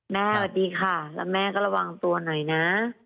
สวัสดีค่ะแล้วแม่ก็ระวังตัวหน่อยนะ